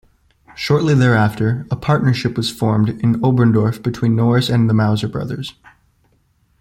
Shortly thereafter, a partnership was formed in Oberndorf between Norris and the Mauser brothers.